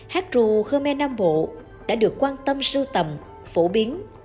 hát ru khmer nam bộ đã được quan tâm sưu tầm phổ biến